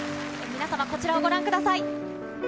皆様、こちらをご覧ください。